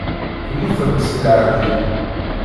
Temmutemt seg ɛeyyu.